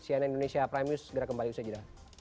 cnn indonesia prime news segera kembali bersajar